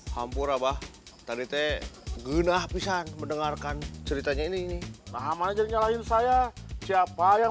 hampur abah tadi teh genah pisang mendengarkan ceritanya ini nama jenjolahin saya siapa yang